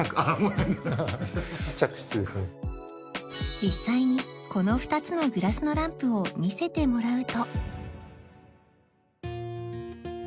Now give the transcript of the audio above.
実際にこの２つのグラスのランプを見せてもらうと